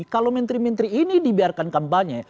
kalau menteri menteri ini dibiarkan kampanye